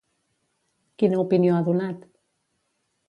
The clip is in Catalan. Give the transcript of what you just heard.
Quina opinió ha donat?